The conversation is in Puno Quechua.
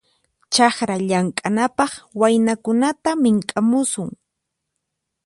Chakra llamk'anapaq waynakunata mink'amusun.